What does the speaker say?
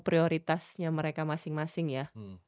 prioritasnya mereka masing masing ya